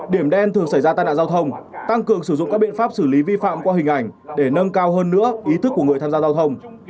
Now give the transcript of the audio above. điểm đen thường xảy ra tai nạn giao thông tăng cường sử dụng các biện pháp xử lý vi phạm qua hình ảnh để nâng cao hơn nữa ý thức của người tham gia giao thông